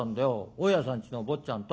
大家さんちの坊ちゃんと。